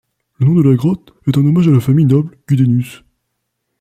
Le nom de la grotte est un hommage à la famille noble Gudenus.